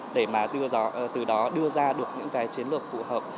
để mà từ đó đưa ra được những cái chiến lược phù hợp